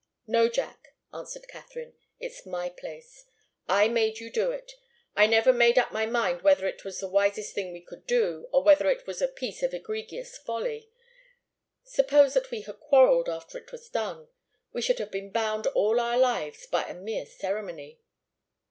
"No, Jack," answered Katharine. "It's my place. I made you do it I've never made up my mind whether it was the wisest thing we could do, or whether it was a piece of egregious folly. Suppose that we had quarrelled after it was done. We should have been bound all our lives by a mere ceremony."